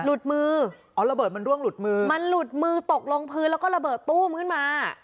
มืออ๋อระเบิดมันร่วงหลุดมือมันหลุดมือตกลงพื้นแล้วก็ระเบิดตู้มขึ้นมา